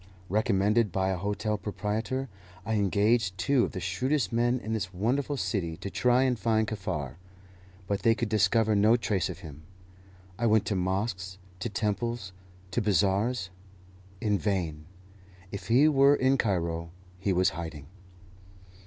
Recommended by an hotel proprietor, I engaged two of the shrewdest men in this wonderful city to try and find Kaffar, but they could discover no trace of him. I went to mosques, to temples, to bazaars in vain. If he were in Cairo, he was hiding.